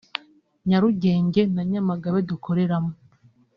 Nyarugenge na Nyamagabe dukoreramo